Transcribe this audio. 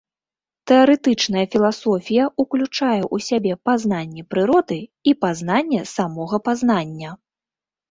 Тэарэтычная філасофія ўключае ў сябе пазнанне прыроды і пазнанне самога пазнання.